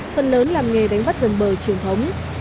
phần lớn làm nghề đánh bắt gần bờ truyền thống